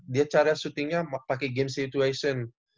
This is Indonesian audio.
dia caranya shootingnya pake game situation